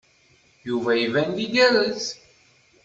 Yuba iban-d igerrez.